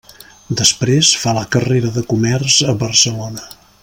Després fa la carrera de comerç a Barcelona.